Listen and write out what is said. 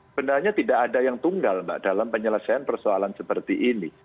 sebenarnya tidak ada yang tunggal mbak dalam penyelesaian persoalan seperti ini